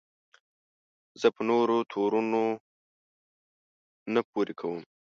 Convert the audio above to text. زه په نورو تورونه نه پورې کوم.